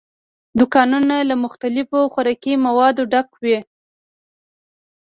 دوکانونه له مختلفو خوراکي موادو ډک ول.